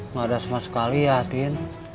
nggak ada sama sekali ya hatinya